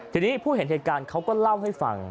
ทีนี้ผู้เห็นเหตุการณ์เขาก็เล่าให้ฟัง